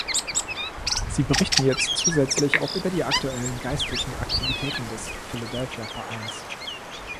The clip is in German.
Sie berichten jetzt zusätzlich auch über die aktuellen geistlichen Aktivitäten des Philadelphia-Vereins.